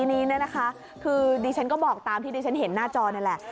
ทีนี้เนี่ยนะคะคือดิฉันก็บอกตามที่ดิฉันเห็นหน้าจอนี่แหละ